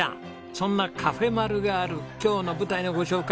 そんなカフェまる。がある今日の舞台のご紹介